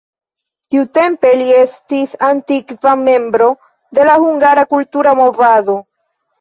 Tiutempe li estis aktiva membro de la hungara kultura movado.